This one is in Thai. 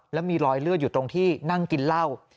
แล้วมีรอยเลือดอยู่ตรงที่นั่งกินเหล้า